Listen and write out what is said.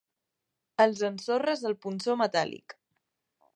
Els ensorres el punxó metàl·lic.